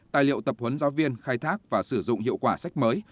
tài liệu tập huấn giáo viên khai thác và sử dụng hiệu quả sách mới